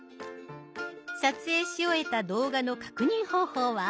撮影し終えた動画の確認方法は？